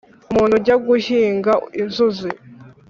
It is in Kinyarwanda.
Umuntu ujya guhinga inzuzi,